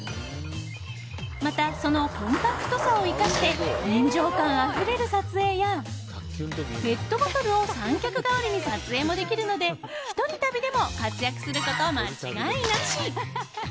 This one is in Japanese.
またそのコンパクトさを生かして臨場感あふれる撮影やペットボトルを三脚代わりに撮影もできるので一人旅でも活躍すること間違いなし！